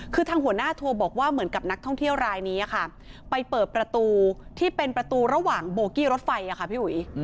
คือทางหัวหน้าทัวร์บอกว่าเหมือนกับนักท่องเที่ยวรายนี้ค่ะไปเปิดประตูที่เป็นประตูระหว่างโบกี้รถไฟค่ะพี่อุ๋ย